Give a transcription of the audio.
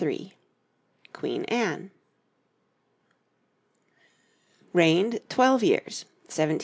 QUEEN ANNE Reigned twelve years: 1702 1714.